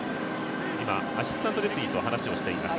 今、アシスタントレフリーと話をしています。